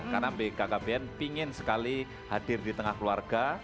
karena bkkbn pingin sekali hadir di tengah keluarga